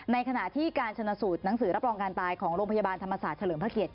ในขณะที่การชนสูตรหนังสือรับรองการตายของโรงพยาบาลธรรมศาสตร์เฉลิมพระเกียรติ